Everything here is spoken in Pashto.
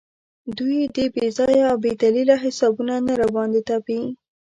دوی دې بې ځایه او بې دلیله حسابونه نه راباندې تپي.